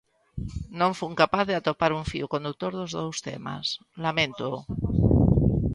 Non fun capaz de atopar un fío condutor dos dous temas, laméntoo.